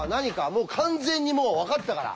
もう完全に分かったから！